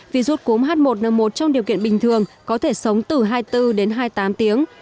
virus cúm h một n một trong điều kiện bình thường có thể sống từ hai mươi bốn đến hai mươi tám tiếng